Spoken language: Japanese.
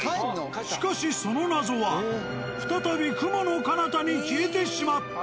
しかしその謎は再び雲のかなたに消えてしまった。